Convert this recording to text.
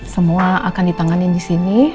semua akan ditanganin di sini